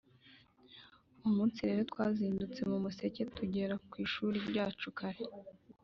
Uwo munsi rero twazindutse mu museke tugera ku ishuri ryacu kare,